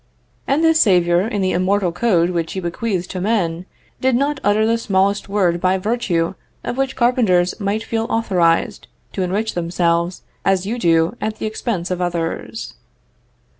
And this Saviour, in the immortal code which he bequeathed to men, did not utter the smallest word by virtue of which carpenters might feel authorized to enrich themselves as you do at the expense of others.